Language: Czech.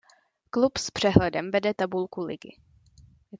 Klub s přehledem vede tabulku ligy.